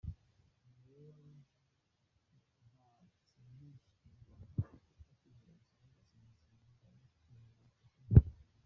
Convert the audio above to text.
Umuntu rero ntatsindishirizwa no kwizera gusa ahubwo atsindishirizwa no kwizera gufite imirimo.